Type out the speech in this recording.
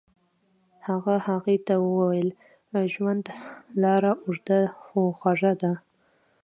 هغه هغې ته وویل ژوند لاره اوږده خو خوږه ده.